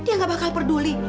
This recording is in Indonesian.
dia gak bakal peduli